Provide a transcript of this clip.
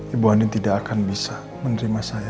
ibu ani tidak akan bisa menerima saya